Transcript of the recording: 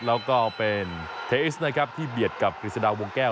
แล้วก็เป็นเทอิสนะครับที่เบียดกับกฤษฎาวงแก้ว